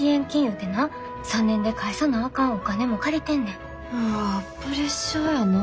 うわぁプレッシャーやな。